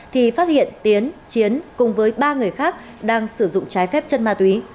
thì phát hiện tiến chiến cùng với ba người khác đang sử dụng trái phép chân ma túy